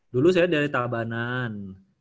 dulu saya dari tabanan